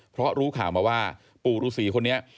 เพราะรู้ข่าวมาว่าปู่ฤษีคนนี้